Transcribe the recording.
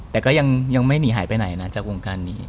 แต่ก็ยังไม่หนีหายไปไหนนะจากวงการนี้